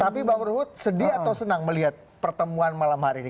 tapi bang ruhut sedih atau senang melihat pertemuan malam hari ini